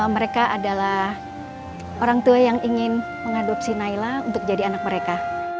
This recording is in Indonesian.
mereka adalah orang tua yang ingin mengadopsi naila untuk jadi anak mereka